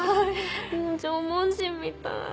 縄文人みたい。